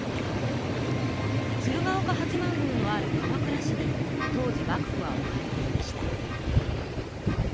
鶴岡八幡宮のある鎌倉市に当時幕府は置かれていました。